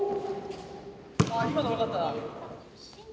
あ今のよかったな。